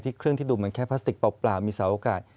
เครื่องที่ดูเหมือนแค่พลาสติกเปล่ามีสาวโอกาส